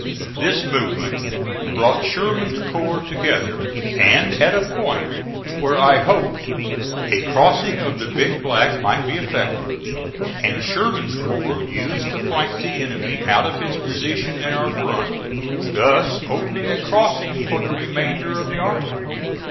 This movement brought Sherman's corps together, and at a point where I hoped a crossing of the Big Black might be effected and Sherman's corps used to flank the enemy out of his position in our front, thus opening a crossing for the remainder of the army.